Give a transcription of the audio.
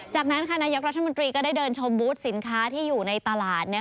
จากนั้นนายกรัฐมนตรีก็ได้เดินชมบูธสินค้าที่อยู่ในตลาด